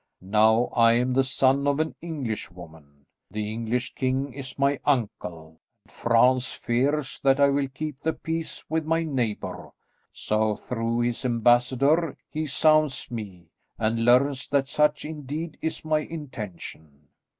Now I am the son of an Englishwoman. The English king is my uncle, and France fears that I will keep the peace with my neighbour; so through his ambassador, he sounds me, and learns that such indeed is my intention.